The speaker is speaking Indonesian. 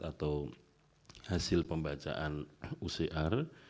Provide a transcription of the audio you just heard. atau hasil pembacaan ucr